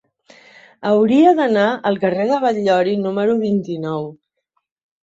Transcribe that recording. Hauria d'anar al carrer de Batllori número vint-i-nou.